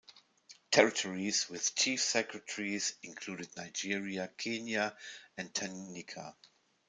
Territories with Chief Secretaries included Nigeria, Kenya and Tanganyika.